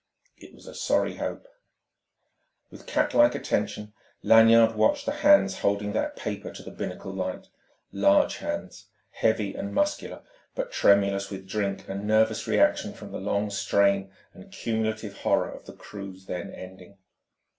It was a sorry hope.... With catlike attention Lanyard watched the hands holding that paper to the binnacle light large hands, heavy and muscular but tremulous with drink and nervous reaction from the long strain and cumulative horror of the cruise then ending.